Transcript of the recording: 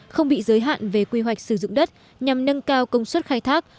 không bị giới hạn về quy hoạch sử dụng đất nhằm nâng cao công suất khai thác